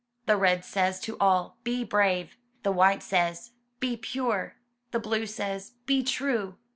The red says to all, "Be brave!" The white says, "Be pure!" The blue says, "Be true!"